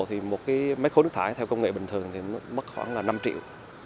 thì một cái mét khối nước thải theo công nghệ bình thường thì mất khoảng là năm triệu